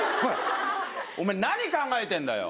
おまえ、何考えてるんだよ。